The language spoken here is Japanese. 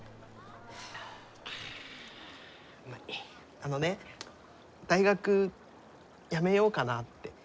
あのね大学やめようかなって。